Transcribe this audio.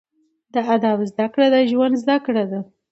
د ادب زده کړه، د ژوند زده کړه ده.